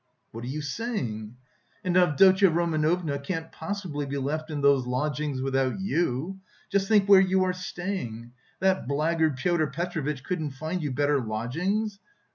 "What are you saying?" "And Avdotya Romanovna can't possibly be left in those lodgings without you. Just think where you are staying! That blackguard Pyotr Petrovitch couldn't find you better lodgings...